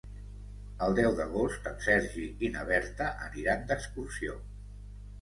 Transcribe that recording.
El deu d'agost en Sergi i na Berta aniran d'excursió.